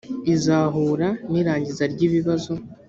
izahura n’irangiza ry’ibibazo